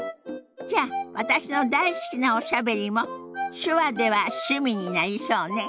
じゃあ私の大好きな「おしゃべり」も手話では趣味になりそうね。